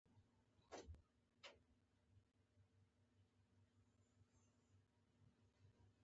د پکتیکا په ښرنه کې د سمنټو مواد شته.